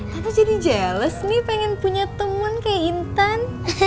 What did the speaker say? tapi jadi jeles nih pengen punya temen kayak intan